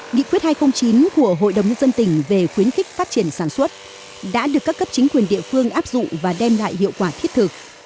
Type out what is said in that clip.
nghị quyết hai trăm linh chín của hội đồng nhân dân tỉnh về khuyến khích phát triển sản xuất đã được các cấp chính quyền địa phương áp dụng và đem lại hiệu quả thiết thực